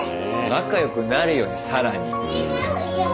仲よくなるよね更に。